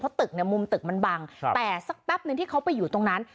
ตึกเนี่ยมุมตึกมันบังแต่สักแป๊บนึงที่เขาไปอยู่ตรงนั้น